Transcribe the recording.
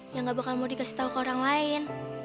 yang gak bakal mau dikasih tahu ke orang lain